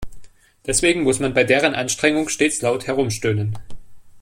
Deswegen muss man bei deren Anstrengung stets laut herumstöhnen.